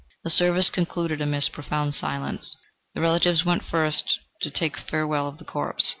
The service concluded amidst profound silence. The relatives went forward first to take farewell of the corpse.